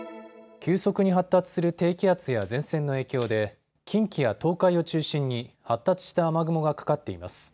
急速に発達する低気圧や前線の影響で近畿や東海を中心に発達した雨雲がかかっています。